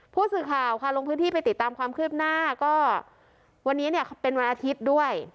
ผู้สื่อข่าวค่ะลงพื้นที่ไปติดตามความคืบหน้าก็วันนี้เนี่ยเป็นวันอาทิตย์ด้วย